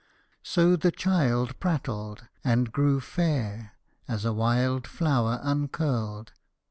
So the child prattled and grew fair as a wild flower uncurled.